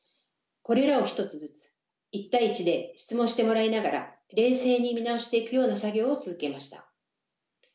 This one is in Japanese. これらを１つずつ１対１で質問してもらいながら冷静に見直していくような作業を続けました。